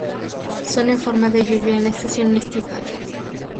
Son en forma de lluvia en la estación estival.